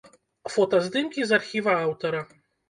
Фотаздымкі з архіва аўтара.